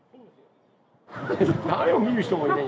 誰も見る人もいない。